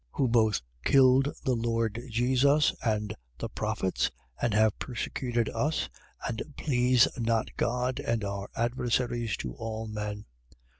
Who both killed the Lord Jesus, and the prophets, and have persecuted us, and please not God, and are adversaries to all men; 2:16.